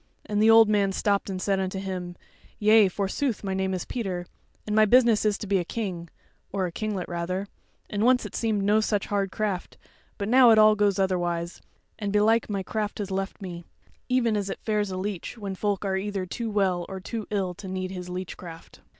And the old man stopped and said unto him: "Yea, forsooth, my name is Peter, and my business is to be a king, or a kinglet rather; and once it seemed no such hard craft; but now it all goes otherwise, and belike my craft has left me; even as it fares with a leech when folk are either too well or too ill to need his leech craft."